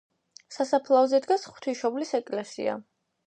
სასაფლაოზე დგას ღვთისმშობლის ეკლესია.